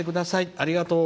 ありがとう。